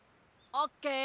オッケー！